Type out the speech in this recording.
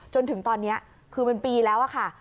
จนถึงตอนนี้คือเป็นปีแล้วค่ะ